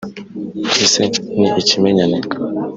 …Ese ni ikimenyane